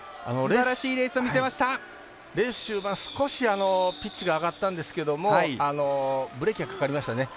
レース終盤、少しピッチが上がったんですけれどもブレーキがかかりましたね。